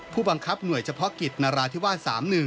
ผู้บังคับหน่วยเฉพาะกิจนราธิวาส๓๑